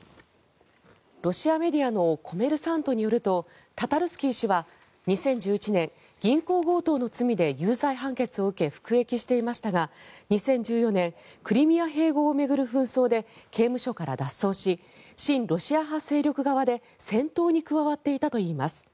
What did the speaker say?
ロシアメディアのコメルサントによるとタタルスキー氏は２０１１年銀行強盗の罪で有罪判決を受け服役していましたが２０１４年クリミア併合を巡る紛争で刑務所から脱走し親ロシア派勢力側で戦闘に加わっていたといいます。